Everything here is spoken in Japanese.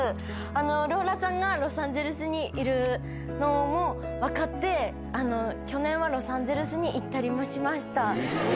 ローラさんがロサンゼルスにいるのも分かって、去年はロサンゼルスに行ったりもしました。